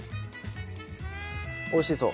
おいしそう。